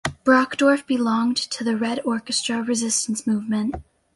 Brockdorff belonged to the Red Orchestra resistance movement.